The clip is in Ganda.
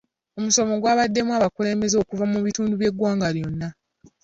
Omusomo gwabaddemu abakulembeze okuva mu bitundu by'eggwanga lyonna.